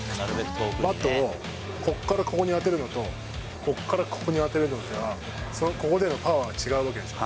バットをここからここに当てるのと、ここからここに当てるのとでは、ここでのパワーが違うわけです。